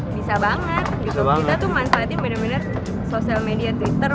bisa banget kita tuh manfaatin bener bener social media twitter waktu itu gratis